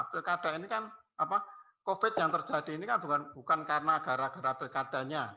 pilkada ini kan covid yang terjadi ini kan bukan karena gara gara pilkadanya